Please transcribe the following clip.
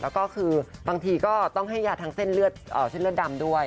แล้วก็คือบางทีก็ต้องให้ยาทางเส้นเลือดดำด้วย